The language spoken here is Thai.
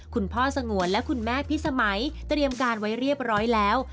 สงวนและคุณแม่พิสมัยเตรียมการไว้เรียบร้อยแล้ว